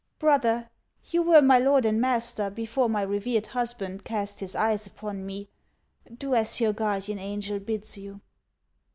" Brother, you were my lord and master before my revered husband cast his eyes upon me ; do as your guardian angel bids you."